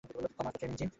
Thomas the train engine.